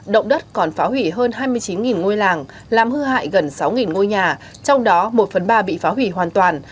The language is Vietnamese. động đất còn phá hủy hơn hai mươi chín ngôi làng làm hư hại gần sáu ngôi nhà trong đó một phần ba bị phá hủy hoàn toàn